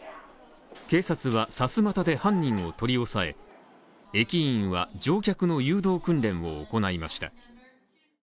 警察は、さすまたで犯人を取り押さえ、駅員は乗客の誘導訓練を行いました。